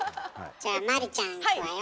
じゃあ麻里ちゃんいくわよ。